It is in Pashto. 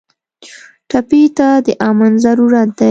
ټپي ته د امن ضرورت دی.